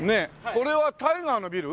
これはタイガーのビル？